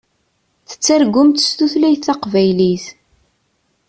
Tettargumt s tutlayt taqbaylit.